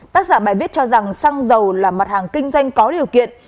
tác giả bài viết cho rằng xăng dầu là mặt hàng kinh doanh có điều kiện